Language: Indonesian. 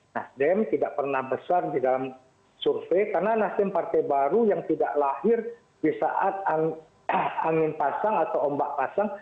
nasdem tidak pernah besar di dalam survei karena nasdem partai baru yang tidak lahir di saat angin pasang atau ombak pasang